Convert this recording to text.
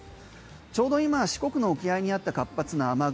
ちょうど今四国の沖合にあった活発な雨雲